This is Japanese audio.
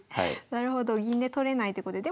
なるほど銀で取れないということで。